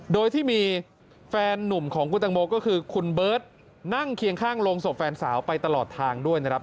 โดยที่มีแฟนหนุ่มของคุณตังโมก็คือคุณเบิร์ตนั่งเคียงข้างโรงศพแฟนสาวไปตลอดทางด้วยนะครับ